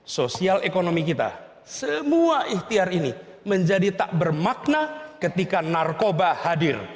sosial ekonomi kita semua ikhtiar ini menjadi tak bermakna ketika narkoba hadir